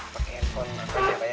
pakai handphone pakai apa ya